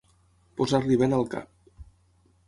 Posar-li vent al cap.